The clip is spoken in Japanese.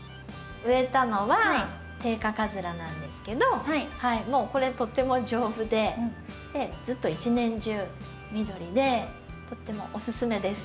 植えたのはテイカカズラなんですけどもうこれとても丈夫でずっと一年中緑でとってもおすすめです。